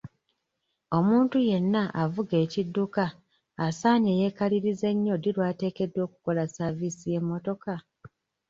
Omuntu yenna avuga ekidduka asaanye yeekalirize nnyo ddi lw'ateekeddwa okukola saaviisi y'emmotoka?